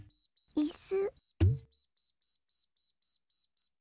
いす！